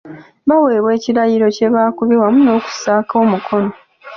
Baaweebwa ekirayiro kye baakubye wamu n'okussaako omukono.